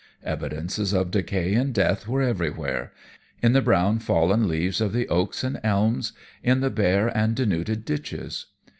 Evidences of decay and death were everywhere in the brown fallen leaves of the oaks and elms; in the bare and denuded ditches.